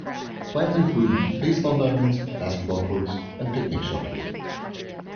Plans include baseball diamonds, basketball courts and picnic shelters.